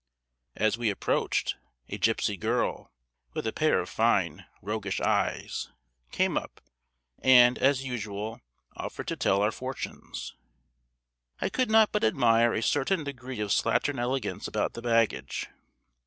As we approached, a gipsy girl, with a pair of fine roguish eyes, came up, and, as usual, offered to tell our fortunes. I could not but admire a certain degree of slattern elegance about the baggage.